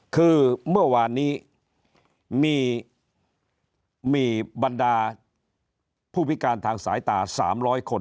คือเมื่อวานนี้มีบรรดาผู้พิการทางสายตา๓๐๐คน